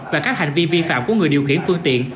và các hành vi vi phạm của người điều khiển phương tiện